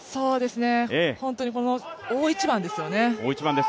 本当にこの大一番ですよね。